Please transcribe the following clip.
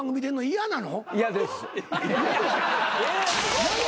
「嫌です」